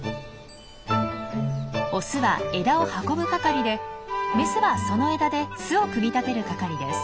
オスは枝を運ぶ係でメスはその枝で巣を組み立てる係です。